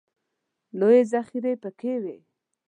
لویې ذخیرې پکې وې.